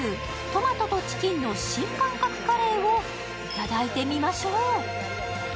トマトとチキンの新感覚カレーを頂いてみましょう。